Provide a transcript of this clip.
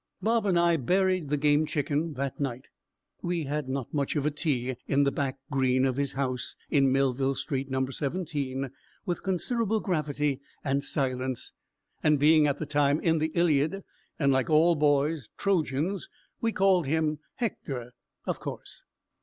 Bob and I buried the Game Chicken that night (we had not much of a tea) in the back green of his house in Melville Street, No. 17, with considerable gravity and silence; and being at the time in the Iliad, and, like all boys, Trojans, we called him Hector of course.